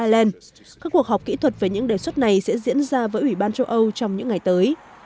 ireland các cuộc họp kỹ thuật về những đề xuất này sẽ diễn ra với ủy ban châu âu trong những ngày tới